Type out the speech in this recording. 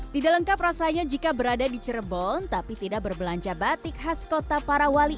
tidak lengkap rasanya jika berada di cirebon tapi tidak berbelanja batik khas kota parawali